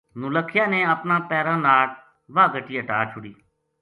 نو لکھیا نے اپنا پیراں ناڑ واہ گٹی ہٹا چھوڈی